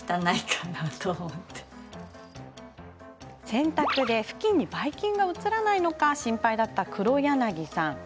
洗濯で、ふきんにばい菌が移らないか心配だった畔柳さん。